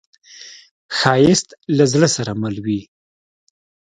ښایست له زړه سره مل وي